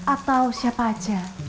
atau siapa aja